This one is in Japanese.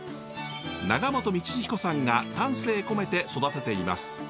永本道彦さんが丹精込めて育てています。